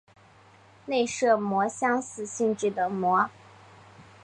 内射模相似性质的模。